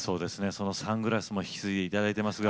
そのサングラスも引き継いで頂いてますが。